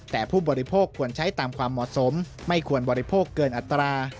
แต่ผู้บริโภคควรใช้ตามความเหมาะสมไม่ควรบริโภคเกินอัตรา